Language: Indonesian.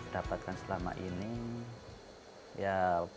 dapatkan selama ini ya